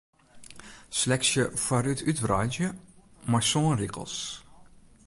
Seleksje foarút útwreidzje mei sân rigels.